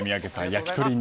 焼き鳥に。